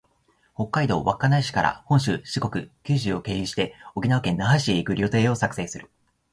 北海道稚内市から本州、四国、九州を経由して、沖縄県那覇市へ行く旅程を作成する